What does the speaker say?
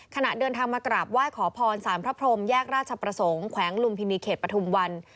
ขณะเดินทางมากราบไหว้ขอพรสารพระพรมแยกราชประสงค์แขวงลุมพินีเขตปฐุมวัน